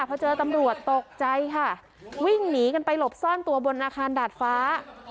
พอเจอตำรวจตกใจค่ะวิ่งหนีกันไปหลบซ่อนตัวบนอาคารดาดฟ้า